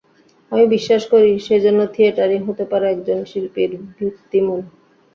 আমি বিশ্বাস করি, সেই জন্য থিয়েটারই হতে পারে একজন শিল্পীর ভিত্তিমূল।